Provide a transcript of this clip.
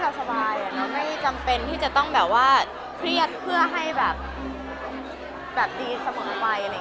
ก็ไม่จำเป็นที่จะต้องแบบว่าเพรียสเพื่อให้แบบแบบดีสมวงไปอะไร